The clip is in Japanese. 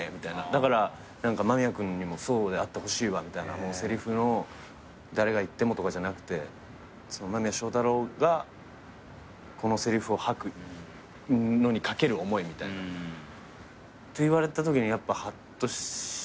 「だから間宮君にもそうであってほしいわ」「せりふの誰が言ってもとかじゃなくて間宮祥太朗がこのせりふを吐くのにかける思い」みたいな。って言われたときにやっぱはっとしたというかさ。